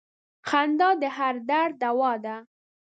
• خندا د هر درد دوا ده.